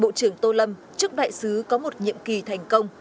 bộ trưởng tô lâm chúc đại sứ có một nhiệm kỳ thành công